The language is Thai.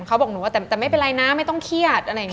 เขาบอกหนูว่าแต่ไม่เป็นไรนะไม่ต้องเครียดอะไรอย่างนี้